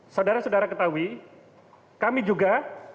saudara saudara ketahui kami juga